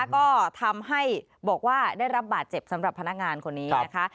ก็ทำให้บอกว่าได้รับบาดเจ็บสำหรับพนักงานคนนี้นะคะ